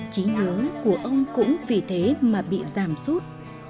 trí nhớ của ông cũng vì thế mà bị giảm sút